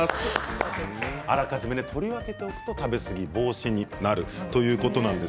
あらかじめ取り分けておくと食べ過ぎ防止になるということです。